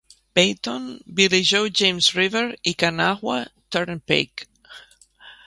Peyton, Billy Joe James River i Kanawha Turnpike.